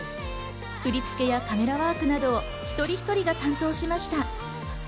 振り付けやカメラワークなど、一人一人が担当しました。